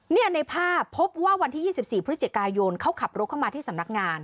ในภาพพบว่าวันที่๒๔พฤศจิกายนเขาขับรถเข้ามาที่สำนักงาน